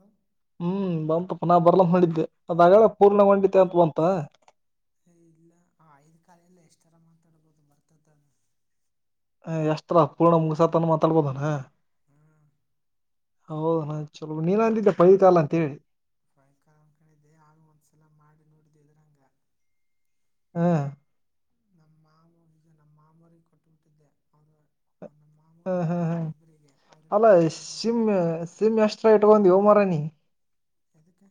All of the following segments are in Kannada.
ಹ ಹ್ಮ್ ಬಂತಪ್ಪ ನಾ ಬರ್ಲ ಮಾಡಿದ್ದೆ ಅದಾಗಳ ಪೂರ್ಣಗೊಂಡಿದ್ದೆ ಅಂತ ಬಂತ. ಏ ಇಲ್ಲ ಐದ್ ಕಾಲಲ್ಲಿ ಎಷ್ಟರ ಮಾತಾಡ್ಬಹದು ಬರ್ತೈತ್ ಅದು. ಹ ಎಷ್ಟರ ಪೂರ್ಣ ಮುಂಗ್ಸ ತನ್ ಮಾತ್ ಆಡ್ಬೋದನ. ಹಾ ಹೌದ ನಾ ಚಲೋ ನೀನ್ ಅಂದಿದ್ದೆ ಪೈ ತಾಲ್ ಅಂತ ಹೇಳಿ. ಬೈಯಂಕರ್ ಅನ್ ಕಣಿದ್ದೆ ಆಗ ಒಂದ್ಸಲ ಮಾಡಿ ನೋಡಿದೆ ಇದ್ರರಂಗ್. ಹಾ ನಮ್ ಮಾಮುಂಗ್ ಈಗ ನಮ್ ಮಾಮರಿಗ್ ಕೊಟ್ಟುಬಿಟ್ಟಿದ್ದೆ ಅವ್ರು [unintelligible] ನಾಮು ಹಾ ನಮ್ ಹಾ ಹಾ ಅಕ್ಕಗ ಇಬ್ರಿಗೆ ಅಲ್ಲ ಅವ್ರಿಬ್ರು ಮಾತಾಡ್ತಾರಲ್ಲ. ಸಿಮ್ ಸಿಮ್ ಎಷ್ಟರ ಇಟ್ಕೊಂಡ್ಯೋ ಮಾರ ನೀ ಯದಕ್ಕ.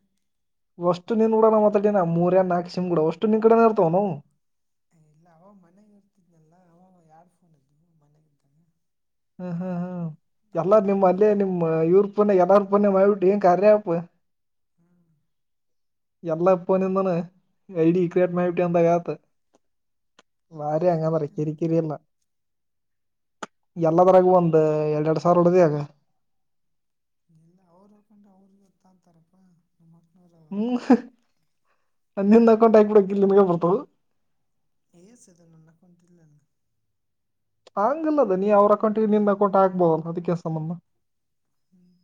ಒಷ್ಟು ನಿನ್ ಕೂಡನ ಮಾತಾಡಿನ್ ನಾ ಮೂರ್ಯನ್ ನಾಕ್ ಸಿಮ್ಗೂಡ ಓಸ್ಟು ನಿನ್ ಕಡೆನ ಇರ್ತವನ ಅವು. ಏ ಇಲ್ಲ ಅವ್ ಮನ್ಯಾಗೆ ಇರ್ತಿದ್ನಲ್ಲ ಅವಾಗ ಯಾಡ್ ಫೋನ್ ಇದ್ದವು ಮನ್ಯಾಗ ಇದ್ದಾಗ. ಹ್ಮ್ ಹ್ಮ್ ಹ್ಮ್ ಎಲ್ಲ ನಿಮ್ಮ್ ಯೂಸ್ ಅಲ್ಲೇ ಮಾಡಿ ನಿಮ್ಮ ಇವ್ರ ಫೋನ್ ಎಲ್ಲಾರ ಫೋನ್ಯಾಗ್ ಮಾಡ್ಬಿಟ್ಟಿ ಎನ್ ಕಾರ್ಯ ಆಪ್. ಹ್ಮ್ ಎಲ್ಲರ ಫೋನ್ಯಾಂದುನು ಐಡಿ ಹ್ಞೂ ಕ್ರಿಯೇಟ್ ಮಾಡಿಟ್ಟೇ ಅಂದಾಂಗ್ ಆತ್. ಮಾಡಿ ಹಂಗದ್ರ ಮಾಡಿಬಿಟ್ಟೆ ಕಿರಿ ಮತ್ತೆ ಕಿರಿ ಇಲ್ಲ. ಎಲ್ಲದ್ರಾಗ ಒಂದ್ ಎರಡ್ರಡ್ ಸಾವ್ರ ಹುಡ್ದೀ ಆಗ. ಎಲ್ಲ ಅವ್ರು ಹಾಕೊಂಡ್ರೆ ಅವ್ರಿಗೆ ಇರ್ತವ ಅಂತಾರಪ್ಪಾ. ನಮ್ ಅಕ್ಕನರ. ಹ್ಮ್ ಅ ನಿಂದ್ ಅಕೌಂಟ್ ಹಾಕ್ಬಿಡಬೇಕಿಲ್ ನಿಮಗೆ ಬರ್ತವು. ಎಸ್ ಅದ ನನ್ನ ಅಕೌಂಟ್ ಇಲ್ಲ [unintelligible] ಹಂಗಲ್ಲದ ನೀ ಅವ್ರ ಅಕೌಂಟಿಗ ನಿಂದ್ ಅಕೌಂಟ್ ಆಗ್ಬೋದಲ್ಲ ಅದಿಕ್ಕೇನ್ ಸಂಬಂಧ. ಹ್ಮ್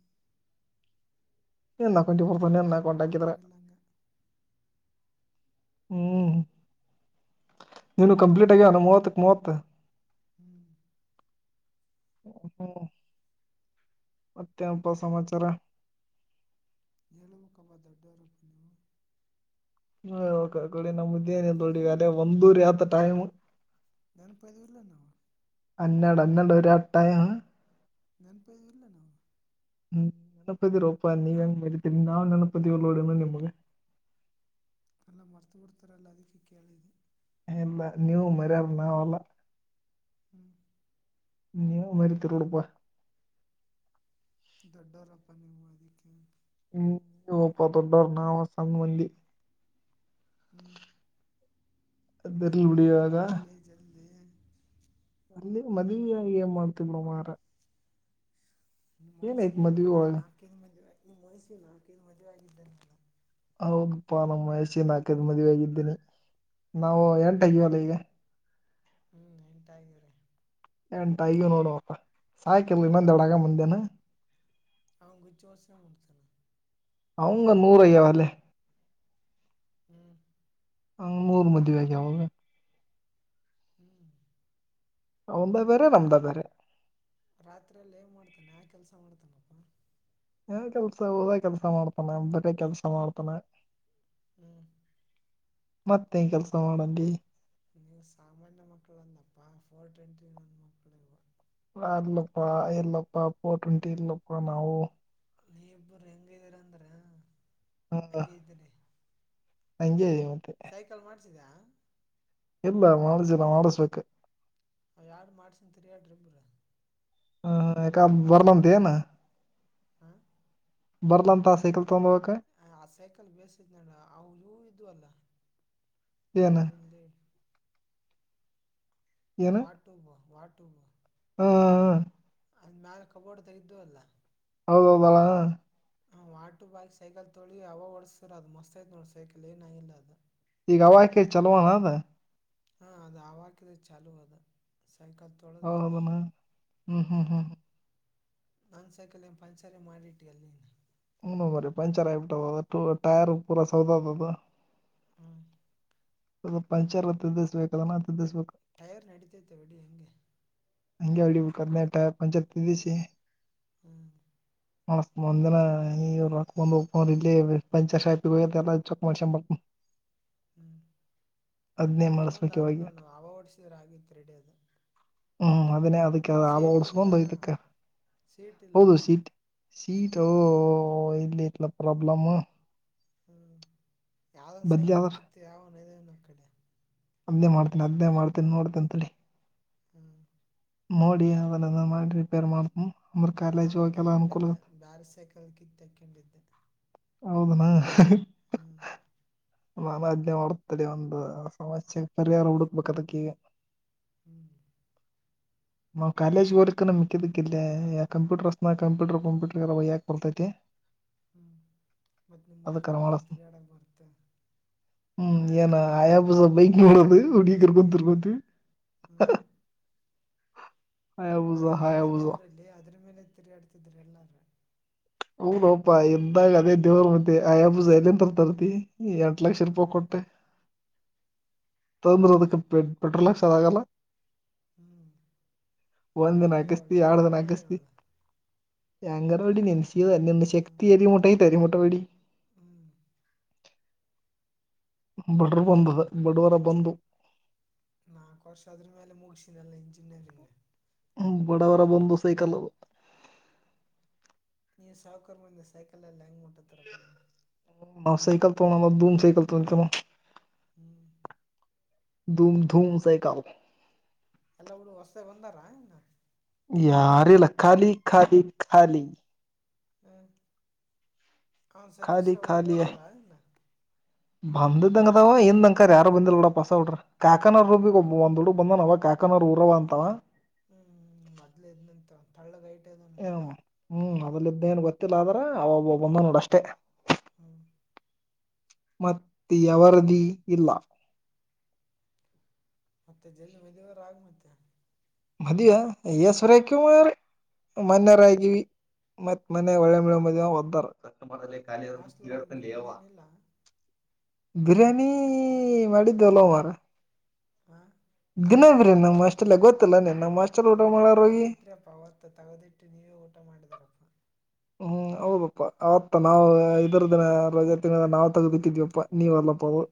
ನೀನ್ನ ಅಕೌಂಟಿಂಗ್ ಬರ್ತಾವ್ ಮನೆ ನೀನ್ ಅಕೌಂಟ್ ಹಾಕಿದ್ರ. ಬರಂಗಿಲ್ಲ ಹಂಗ ಹ್ಮ್ ನೀನು ಕಂಪ್ಲೀಟ್ ಆಗ್ಯವೆನ್ ಮೂವತ್ತಕ್ಕ ಮೂವತ್ತ. ಹ್ಮ್ ಮತ್ತೆನ್ಪ ಸಮಾಚಾರ. ಹೇಳಬೇಕಪ ದೊಡ್ಡವರ್ಯಪ್ಪ ನೀವು. ನೀವ ಹೇಳ್ಬೇಕಕಾಡಿ ನೆನಪೈದಿಲ್ಲ [unintelligible] ಅಲೆ ಒಂದ್ವೊರಿ ಆತ ಟೈಮ್. ನನಪೈದಿವಿಲಾ ನಾವು. ಅನ್ನಾಡ ಅನ್ನೆಡ ಒರಿ ಆಯ್ತು ಟೈಮ್. ನೆನಪುವದಿವಿಲ್ಲಾ ನಾವು. ಹ್ಮ ನೆನಪ್ದಿರೋಪ್ಪಾ ನೀವ ಹೆಂಗ್ ಮರತೀರಿ ನಾವ್ ನೆನಪಾದಿವಿಲ್ಲಾ ನೋಡ್ ಇನ್ನ ನಿಮ್ಗ. ಎಲ್ಲ ಮರ್ತು ಬಿಡ್ತಾರಲ್ಲ ಅದಕ್ಕೆ ಕೇಳಿದೆ. ಇಲ್ಲ ನೀವು ಮರಿಯೋರು ನಾವಲ್ಲ. ಹ್ಮ್ ನೀವು ಮರಿತಿರೊಡೊಪ್ಪ. ದೊಡ್ಡರಪ್ಪ ನೀವು ಅದಿಕ್ಕೆ. ಹ್ಮ ಹೋಪ್ಪ ದೊಡ್ಡವರು ನಾವ ಸಣ್ಣ ಮಂದಿ. ಹ್ಞೂ ಮತ್ತೆ ಅದಿರ್ಲಿ ಬಿಡಿ ಮದುವೆಯಾರ ಇವಾಗ ಅಗರ್ಲೆ ಜಲ್ದಿ. ಅಲ್ಲಿ ಮದುವೆ ಏನ್ ಮಾಡ್ತಿ ಬಿಡೋ ಮಾರ. ನಿಮ್ಮ ವಯಸ್ಸಿಗೆ ಒ ಮದ್ವಿ ನಾ ಒಳಗ ನಾಲ್ಕೈದು ಮದುವೆ ನಿಮ್ಮ ಮಯಸ್ಸಿಗೆ ನಾಲ್ಕೈದು ಮದುವೆಗಿದ್ದ ನಾನು. ಹೌದಪ್ಪಾ ನಮ್ಮ ವಯಸಿಗ್ಯ ನಾಕದ್ ಮದುವೆ ಆಗಿದ್ದೀನಿ ನಾವು ಎಂಟಗ್ಯವಲ್ಲ ಈಗ. ಹ್ಮ್ ಎಂಟಾಗಿರಿ. ಎಂಟಆಗಿವಿ ನೋಡುವಪ್ಪಾ ಸಾಕೀಲಾ ಇನ್ನೊಂದೆರಡ ಆಗಮಂದೇನು. [unintelligible] ಅವಂಗ ನೂರ ಐ್ಯ ವಲ್ಲೆ. ಹ್ಮ್ ಹಂಗ್ ಮೂರು ಮದುವ್ಯಾಗವ ಅವಾಗ. ಹ್ಮ್ ಅವನದ ಬ್ಯಾರೆ ನಮ್ದ ಬ್ಯಾರೆ. ರಾತ್ರಿ ಎಲ್ಲ ಏನ್ ಮಾಡ್ತಾನೆ ಯಾ ಕೆಲ್ಸ ಮಾಡ್ತಾನಪ್ಪಾ. ಯಾ ಕೆಲ್ಸ ಓದ ಕೆಲ್ಸ ಮಾಡ್ತಾನ ಬರೆ ಕೆಲ್ಸ ಮಾಡ್ತಾನ. ಹ್ಮ್ ಮತ್ತೇನ್ ಕೆಲ್ಸ ಮಾಡಂದಿ. ನೀವು ಸಾಮಾನ್ಯ ಮಕ್ಕಳಲ್ಲಪ್ಪಾ ಫೋರ್ ಟ್ವೆಂಟಿ ನನ್ ಮಕ್ಕಳ ನೀವು. ಅಲ್ಲಪ್ಪ ಇಲ್ಲಪ್ಪ ಫೋರ್ ಟ್ವೆಂಟಿ ಇಲ್ಲಪ್ಪ ನಾವು. ನೀವ್ ಇಬ್ಬರು ಹೆಂಗ್ ಅದಿರ ಅಂದ್ರ ಹಾ ಹಾ. [unintelligible] ಸೈಕಲ್ ಮಾಡ್ಸಿದ್ಯ. ಇಲ್ಲ ಮಾಡಸಿಲ್ಲ ಮಾಡಿಸ್ಬೇಕು. ಅವ್ ಯಾಡ್ ಮಾಡ್ಸತೀರಾ ಹೇಳ್ಯಡ್ರಿಬ್ಬ್ರ. ಹ ಯಾಕ ಬರ್ಲಂತೇನು. ಹಾ ಬರ್ಲಂತ ಸೈಕಲ್ ತಗೊಂಬೋ ಹೋಗಕ. ಆ ಆ ಸೈಕಲ್ ಬೇಸಿದ್ ನೋಡ್ ಅವ ಇವು ಇದ್ವಲ ಏನ್ ಎಲ್ಲಿ. ವಾಟುಬ್ ವಾಟೂಬ್. ಹೂ ಅಂದ್ ಮ್ಯಾಲ ಕಬೋರ್ಡ್ದಾಗ ಇದ್ವಲ್ಲ. ಹೌದ ಹೌದೆಳ. ವಾಟೂಬ್ ಆಕಿ ಸೈಕಲ್ ತೋಳಿ ಅವ ಹೊಡ್ಸ್ರಿ ಅದು ಮಸ್ತ್ ಆಯ್ತ್ ನೋಡ್ ಸೈಕಲ್ ಎನ್ ಆಗಿಲ್ಲ ಅದು. ಈಗ ಅವಾಕೆ ಚಲೋನ್ ಅದ ಹಾ ಅದ ಆವಕಿದ ಚಾಲೂ ಅದ ಸೈಕಲ್ ಹ ತೊಳೆದಿಲ್ಲ ಅವಮನ ಹ ಹ ಹ ನನ್ ಸೈಕಲ್ ಪಂಚಲೆ ಮಾಡಿಟ್ಟಿಯಲ್ಲ ನೀನ್ ಹ್ಮನು ಮರ ಪಂಚರ್ ಆಗಿಬಿಟ್ಟ ಟು ಟೈರ್ ಪೂರ ಸೌದದ ಅದ. ಹ್ಮ ಅದ ಪಂಚರ್ ತದಿಸಬೇಕದ ನ ತದಿಸಬೇಕ ಟೈರ್ ನಡೀತೈತೆ ವಡಿ ಹಂಗೆ ಹಂಗೆ ಹೊಡಿಬೇಕ ಹದಿನೇ ಟೈರ್ ಪಂಚರ್ ತಗಿಸಿ ಹ್ಮ [inaudible] ಮಾಡಿಸ್ತನ ಒಂದಿನ ಈವ ರೋಕ್ಬಂದವಪ ಇಲ್ಲಿ ಪಂಚರ್ ಶಾಪ್ಗೋಗ ಹೋಗಿ ಎಲ್ಲಾ ಚಕ್ ಮಾಡ್ಸ ಬರ್ತನ. [inaudible] ಹ್ಮ ಅದ ಇನ್ನೊಂದ ಮಾಡಿಸ್ಬೇಕು ಆತ ಇವಾಗ ನೋಡ್ದ್ನವ ಅವ ಹೊಡಸಿದ್ರ ಆಗಿತ್ ರೆಡಿ ಅದ ಹ್ಮ ಅದನೇ ಅದಕ್ಕೆ ಅ ಆವ ಓಡಸ್ಕೊಂಡು ಇದಕ್ಕೆ ಸೀಟ್ ಇಲ್ಲ ಹೌದು ಅಲ್ಲ ಸೀತ್ ಸೀಟೋ ಇಲ್ಲಿ ಐತಲ್ಲ ಪ್ರಾಬ್ಲಮ್. ಹ್ಮ ಯಾವ್ದ ಒನ್ ಬದ್ಲಿ ಆದ್ರ ಸೈಕಲ್ದ್ ಕಿತ್ತ ಯಾವನ್ ಒಯ್ದನ ಆಕಡೆ ಅದ್ನೇ ಮಾಡ್ತನಿ ಅದನ್ನೇ ಮಾಡ್ತೀನಿ ನೋಡ್ತಿನ ತಡಿ. ಹ್ಮ ನೋಡಿ ಅದನೆಲ್ಲ ಮಾಡಿ ರಿಪೇರ್ ಮಾಡತನ ಅಮ್ರ ಕಾಲೇಜ್ ಹೋಗೆಲ್ಲ ಅನುಕೂಲ ಬ್ಯಾರ ಸೈಕಲ್ ಕಿತ್ತ ತಕೊಂಡಿದ್ದ ಅದ. ಹೌದನಾ ಹ್ಞೂ ನಾನು ಅದ್ದ್ನೆ ಮಾಡ್ತ ತಡಿ ಒಂದ ಸಮಸ್ಯೆಗೆ ಪರಿಹಾರ ಹುಡುಕ್ಬೇಕ ಅದಕ್ಕ ಈಗ ಹ್ಮ ನಾ ಕಾಲೇಜ್ ಹೊಕ್ಕಿಲ ಮಿಕ್ಕಿದ್ದಕ್ಕಿಲ್ಲಿ ಕಂಪೂಟರ್ಸ್ನ ಕಂಪೂಟರ್ ಕಂಪ್ಯೂಟರ್ಗೆ ಓಯಾಕ ಬರ್ತೈತಿ. [inaudible] ಹ್ಮ ಮತ್ತ್ ನಿಮ್ಮ ಹುಡಿಗಿನ ಅದಕ್ಕಾರ ಕರ್ಕೊಂದ ತಿರ್ಗಾಡಕ ಬರತ್ತ. ಹ್ಮ ಏನ ಆಯಾ ಬುಸ ಬೈಕ್ ನೋಡೋದು ಹುಡ್ಗೀರ್ ಕರ್ಕೋ ತಿರ್ಗೋದು. ಹ್ಮ ಆಯಾಬುಜ ಅವಾಗೆಲ್ಲ ಅದೇ ಹಾಯಾಬುಜ ದೇವ್ರಲ್ಲ ಅದ್ರ ಮೇಲೆ ತಿರುಗಾಡ್ತಿದ್ರ ಎಲ್ಲಾರ ಹೌದೋಪ್ಪಾ ಇದ್ದಗ ಅದೇ ದೇವ್ರ ಮತ್ತೆ ಆಯಬುಜ ಎಲ್ಲ ಅಂತ ತರ್ತಿ. ಎಟ್ಟ ಹ್ಞೂ ಲಕ್ಷರಪಾಯಿ ಕೊಟ್ಟ ತಂದ್ರ ಅದಕ್ಕ ಪೇ ಪೆಟ್ರೋಲ್ ಹಾಕ್ಸೋದ್ ಅಗಲ್ಲ. ಹ್ಞೂ ಅದು ಒಂದಿನ ನೋಡಿದ್ರೆ ಹಾಕಸ್ತಿ ಅವಳು ಯಾಡ ಹೆಂಗಾರ ದಿನ ಬಿಡಿ ಹಾಕಸ್ತಿ. ಅವಳು ಎಂಗಾರ ಹೊಡಿ ನಿನ್ನ ಸೀದಾ ನಿನ್ನ ಶಕ್ತಿ ಎಲಿಮಟ್ಟ ಐತಿ ಅಲಿಮಟ್ಟ ಹೊಡಿ. ಹ್ಮ ಬಡರ ಬಂದದ ಬಡವರ ಬಂದು ನಾಕ್ ವರ್ಷ ಆದ್ರ ಮೇಲೆ ಮುಗಸಿನಲ್ಲ ಇಂಜಿನಿಯರಿಂಗ್. ಹ್ಮ ಬಡವರ ಬಂದು ಸೈಕಲ್ ಅದು. ನೀ ಸಾವುಕರ್ ಮಂದಿ ಸೈಕಲಲ್ಲಿ ಹೆಂಗ್ ಮುಟ್ಟತ್ತರಪ್ಪು. ನಾ ಸೈಕಲ್ ತೋಗೋ ಧೂಮ್ ಸೈಕಲ್ ತಗೊಂತನವ. ಹ್ಮ ಧೂಮ್ ಧೂಮ್ ಸೈಕಲ್ ಎಲ್ಲ ಹುಡು ಹೊಸ್ತಾ ಬಂದಾರ ಏನ ಯಾರಿಲ್ಲ ಖಾಲಿ ಖಾಲಿ ಖಾಲಿ ಹ ಹಾ ಸತೀಶ ಖಾಲಿ ಉಡೋರ್ ಇದಾರಾ ಎನ್. ಬಂದದ್ದಂಗ ಅದಾವ ಇಂದ ಅಂಕರ ಯಾರು ಬಂದಿಲ್ಲಾಪ್ ಬಿಡಪಾ ಹೊಸಾ ಹುಡರ. ಕಾಕನವರ ರೂಮಿಗಿ ಒಬ್ಬ ಒಂದ ಹುಡುಗ್ ಬಂದಾನವ ಅವ ಕಾಕನವರ ಊರಾವ ಅಂತವ. ಹ್ಮ್ ಮದ್ಲೆ ಇದ್ನಂತ ತಳ್ಳಗ್ ಹೈಟ್ ಅದನ್. ಹ್ಮ್ ಮೊದಲ ಇದ್ದೇಏನ್ ಗೊತ್ತಿಲ್ಲ ಆದ್ರ ಅವ ಒಬ್ಬ ಬಂದನ ನೋಡ ಅಷ್ಟೇ. ಹಾ. ಮತ್ತ ಏವರದಿ ಇಲ್ಲ. ಮತ್ತೆ ಜಲ್ದಿ ಮದಿವರ ಆಗ ಮತ್ತೆ. ಮದಿವಾ ಎಸಬರಿ ಆಕಿಯೋ ಮಾರಾಯ. ಮನ್ನೆರ ಆಗಿ ಮತ್ತ ಮನ್ ಹೊಳ್ಳೆ ಮಳ್ಳೇ ಮದ್ವೆ ಆದ್ರ ಒದ್ದಾರ. ಹಾಸ್ಟೆಲನ್ಯಾಗ್ ಏನ್ ಬಿರಿಯಾನಿ ಏನಿಲಾ. ಬಿರಿಯಾನಿ ಮಾಡಿದ್ದಲ ವಾರ. ಹಾ. ದಿನ್ ಬಿರ್ಯಾನಿ ನಮ್ಮ ಹಾಸ್ಟೆಲ್ಲನ್ಯಾಗ್ ಗೊತ್ತಿಲ್ಲನ್ ಏನ್ ನಮ್ಮ ಹಾಸ್ಟೆಲ್ ಊಟಾ ಮಾಡರ ಹೋಗಿ. ತ್ರೆ ಪಾವ ತ್ ತಗಟ್ಟಿನ್ ಊಟಾ ಮಾಡಿದಾರಪ. ಹ್ಮ ಹೌದಪಾ ಅವತ್ತ ನಾವ ಇದರ ದಿನಾ ರಜೆ ತಿಂಗಳ ನಾವ್ ತಗದಿಟ್ಟಿದಿವಪ. ನೀವಲ್ಲಪವ.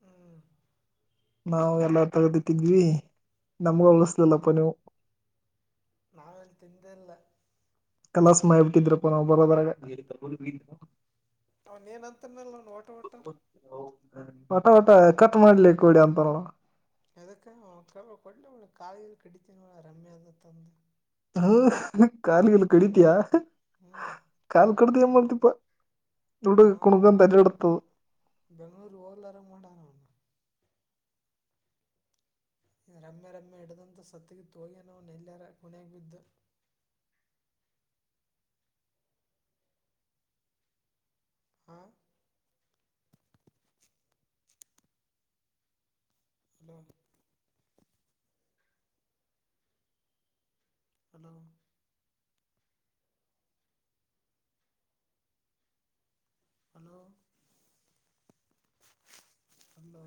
ಹ್ಞೂ ನಾವ ಎಲ್ಲ ತಗದ ಇಟ್ಟಿದ್ವಿ ನಮ್ಗ ಉಳಸಲಿಲ್ಲಪ್ಪ ನೀವು. ನಾವೆಲ್ಲಿ ತಿಂದೇ ಇಲ್ಲ. ಕಲಾಸ್ ಮಾಡಿ ಬಿಟ್ಟಿದ್ರಪ್ಪ ನಾವು ಬರೋದ್ರಾಗ್. ಅವಂದೇನ್ ಅಂತನಲ್ಲ ನಂದ ವಟ್ಟ್ ವಟ್ಟ್. ವಟ ವಟ ಕಟ್ ಮಾಡ್ಲಿ ಕುಡಿ ಅಂತ. ಎದಕ್ಕ್ ಅವ್ ಕೊಡ್ಲಿವಳ ಕಾಲ ಗಿಲ ಕಡಿತನವಳ ರಮ್ಯಾಂದ ಅತ ಅಂದ. ಹ್ಮ ಕಾಲಗಿಲ ಕಡಿತಿಯಾ. ಹಾ. ಕಾಲ ಕಡದ ಏನ್ ಮಾಡತಿಪಾ. ಹಾ ಬೆಂಗಳೂರಗ ಹೋಗಲ್ಲಾರಂಗ ಮಾಡೂನು ಅವ್ನ. ಎ ರಮ್ಯಾ ರಮ್ಯಾ ಹಿಡದಂತ ಸತ್ತ ಗಿತ್ತ ಹೋಗ್ಯಾನ್ ಅವನೆಲ್ಲರ ಮನ್ಯಾಗ್ ಬಿದ್ದ. ಹಾ. ಹಲೋ. ಹಲೋ. Hello hello.